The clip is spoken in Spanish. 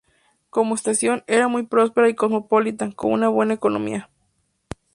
Como estación, era muy próspera y cosmopolita, con una buena economía.